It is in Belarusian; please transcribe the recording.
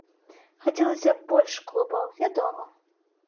Хацелася б больш клубаў, вядома.